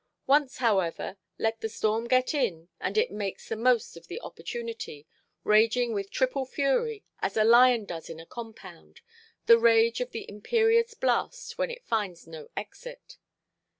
Once, however, let the storm get in, and it makes the most of the opportunity, raging with triple fury, as a lion does in a compound—the rage of the imperious blast, when it finds no exit.